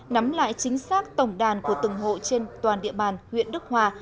nắm lại chính xác tổng đàn của từng hộ trên toàn địa bàn huyện đức hòa